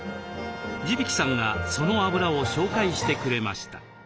地曳さんがそのあぶらを紹介してくれました。